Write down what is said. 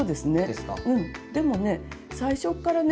でもね最初からね